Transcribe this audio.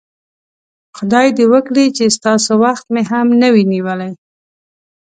خدای دې وکړي چې ستاسو وخت مې هم نه وي نیولی.